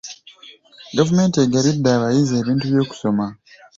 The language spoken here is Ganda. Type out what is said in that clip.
Gavumenti egabidde abayizi ebintu by'okusoma.